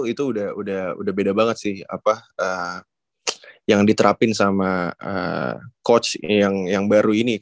itu udah beda banget sih apa yang diterapin sama coach yang baru ini